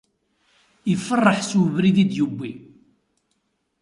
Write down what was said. Iferreḥ s webrid i d-ibbwi.